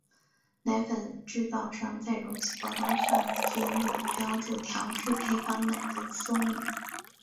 奶粉制造商在容器包装上均有标注调制配方奶的说明。